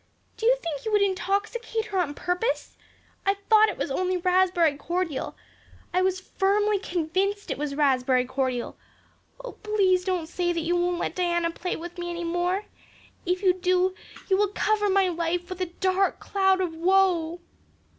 Do you think you would intoxicate her on purpose? I thought it was only raspberry cordial. I was firmly convinced it was raspberry cordial. Oh, please don't say that you won't let Diana play with me any more. If you do you will cover my life with a dark cloud of woe."